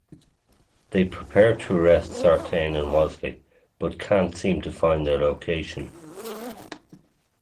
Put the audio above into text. They prepare to arrest Sartain and Wasley, but can't seem to find their location.